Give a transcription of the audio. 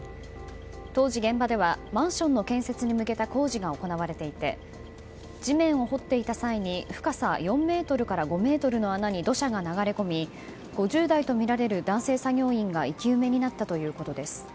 当時現場ではマンションの建設に向けた工事が行われていて地面を掘っていた際に深さ４ｍから５ｍの穴に土砂が流れ込み５０代とみられる男性作業員が生き埋めになったということです。